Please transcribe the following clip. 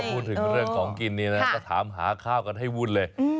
พูดถึงเรื่องของกินนี่นะก็ถามหาข้าวกันให้วุ่นเลย